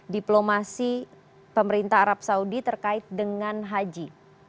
diplomasi pemerintah arab saudi terkait dengan haji